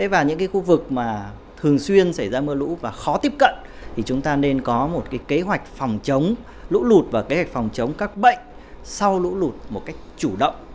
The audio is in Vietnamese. và những khu vực mà thường xuyên xảy ra mưa lũ và khó tiếp cận thì chúng ta nên có một kế hoạch phòng chống lũ lụt và kế hoạch phòng chống các bệnh sau lũ lụt một cách chủ động